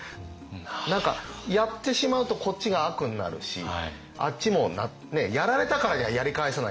何かやってしまうとこっちが悪になるしあっちもやられたからやり返さなきゃ。